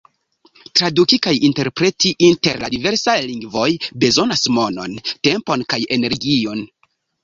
Traduki kaj interpreti inter la diversaj lingvoj bezonas monon, tempon kaj energion.